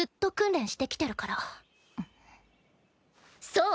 そう。